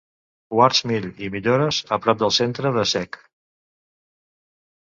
Wards Mill i millores a prop del centre de Sec.